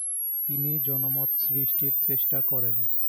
তিনি জনমত সৃষ্টির চেষ্টা করেন।